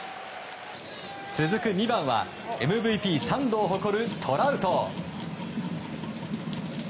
続く２番はＭＶＰ３度を誇るトラウト。